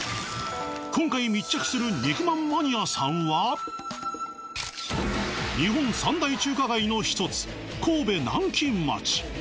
今回密着する肉まんマニアさんは日本三大中華街のひとつ神戸南京町